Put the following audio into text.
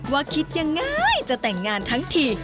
คิดยังไงจะแต่งงานทั้งที